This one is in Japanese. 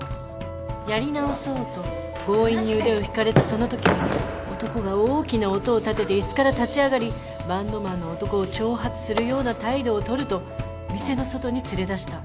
「やり直そうと強引に腕を引かれたそのとき男が大きな音を立てて椅子から立ち上がりバンドマンの男を挑発するような態度を取ると店の外に連れ出した。